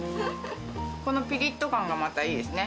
このピリッと感がまたいいですね。